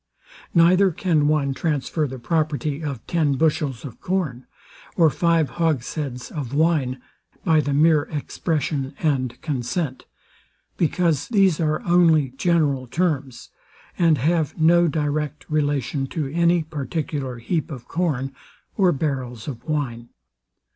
Neither can one transfer the property of ten bushels of corn, or five hogsheads of wine, by the mere expression and consent; because these are only general terms, and have no direct relation to any particular heap of corn, or barrels of wine.